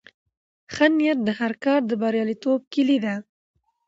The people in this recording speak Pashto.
ښه نیت د هر کار د بریالیتوب کیلي ده.